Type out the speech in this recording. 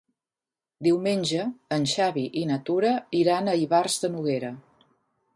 Diumenge en Xavi i na Tura iran a Ivars de Noguera.